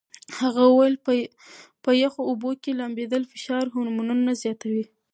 هغه وویل چې په یخو اوبو کې لامبېدل فشار هورمونونه زیاتوي.